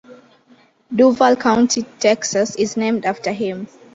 Duval County, Texas, is named after him.